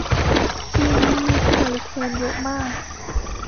ปีนี้มีเฮอริเคนเยอะมาก